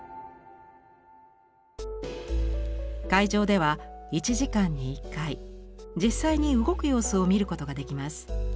会場では１時間に１回実際に動く様子を見ることができます。